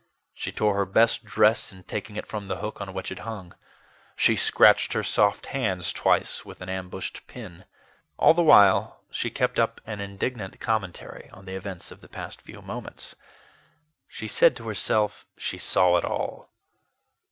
She tore her best dress in taking it from the hook on which it hung: she scratched her soft hands twice with an ambushed pin. All the while, she kept up an indignant commentary on the events of the past few moments. She said to herself she saw it all.